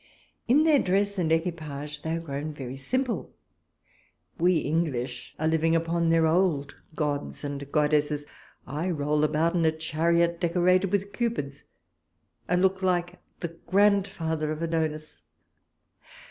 In their dress and equipages they are grown very simple. We English are living upon their old gods and goddesses ; I roll about in a chariot decorated with cupids, and look like the grand father of Adonis.